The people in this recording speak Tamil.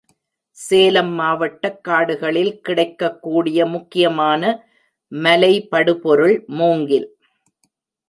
சேலம் மாவட்டக் காடுகளில் கிடைக்கக் கூடிய முக்கியமான மலைபடு பொருள் மூங்கில்.